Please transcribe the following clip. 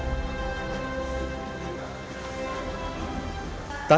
tanya jawab dengan rakyat